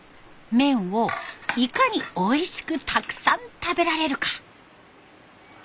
麺をいかにおいしくたくさん食べられるか。